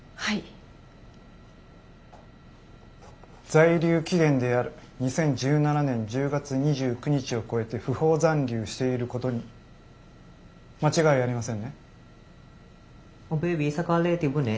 在留期限である２０１７年１０月２９日を超えて不法残留していることに間違いありませんね。